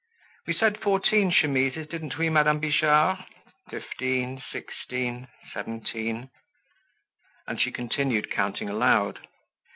We said fourteen chemises, didn't we, Madame Bijard? Fifteen, sixteen, seventeen—" And she continued counting aloud.